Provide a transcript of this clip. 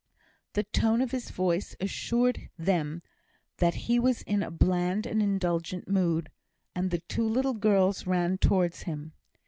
The tone of his voice assured them that he was in a bland and indulgent mood, and the two little girls ran towards him.